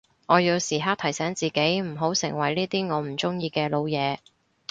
我要時刻提醒自己唔好成為呢啲我唔中意嘅老嘢